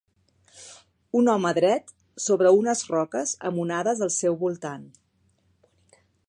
Un home dret sobre unes roques amb onades al seu voltant